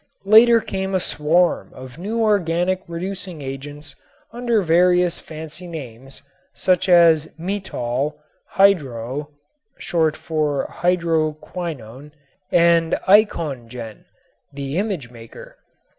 Later came a swarm of new organic reducing agents under various fancy names, such as metol, hydro (short for hydro quinone) and eikongen ("the image maker").